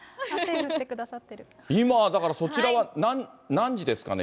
今だから、そちらは何時ですかね？